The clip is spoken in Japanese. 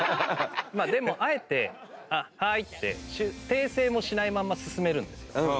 でもあえて「あっはい」って訂正もしないまま進めるんですよ。